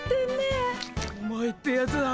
お前ってやつは。